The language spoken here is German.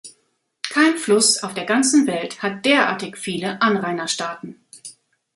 Kein Fluss auf der ganzen Welt hat derartig viele Anrainerstaaten.